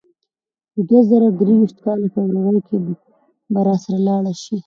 د دوه زره درویشت کال فبرورۍ کې به راسره لاړ شې.